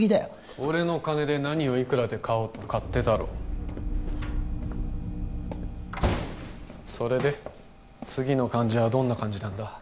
俺の金で何をいくらで買おうと勝手だろそれで次の患者はどんな感じなんだ？